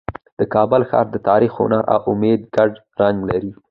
د کابل ښار د تاریخ، هنر او امید ګډ رنګ لري.